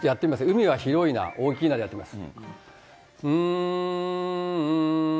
海は広いな大きいなでやってみます。